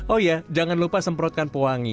oh ya jangan lupa semprotkan pewangi